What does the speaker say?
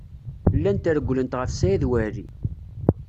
Llant rewwlent ɣef Saɛid Waɛli.